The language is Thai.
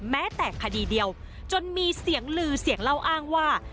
แม้แต่คดีเดียวจนมีเสียงลือเสียงเล่าอ้างว่า